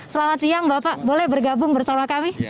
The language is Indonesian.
selamat siang bapak boleh bergabung bersama kami